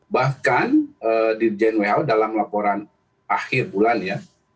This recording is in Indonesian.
bahkan di jen who dalam laporan akhir bulan ya